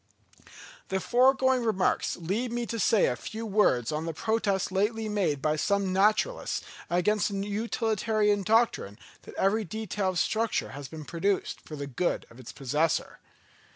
_ The foregoing remarks lead me to say a few words on the protest lately made by some naturalists against the utilitarian doctrine that every detail of structure has been produced for the good of its possessor.